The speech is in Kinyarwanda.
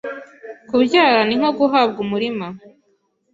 Kubyara ni nko guhabwa umurima